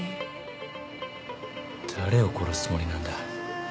誰を殺すつもりなんだ？